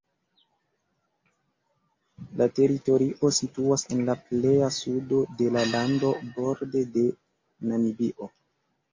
La teritorio situas en la pleja sudo de la lando, borde de Namibio.